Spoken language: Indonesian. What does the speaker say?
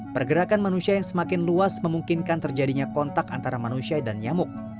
pergerakan manusia yang semakin luas memungkinkan terjadinya kontak antara manusia dan nyamuk